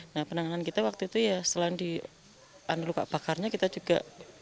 nah penanganan kita waktu itu ya selain di luka bakarnya kita juga